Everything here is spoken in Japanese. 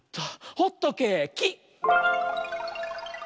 ホットケーキ！